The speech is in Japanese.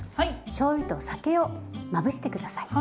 しょうゆと酒をまぶして下さい。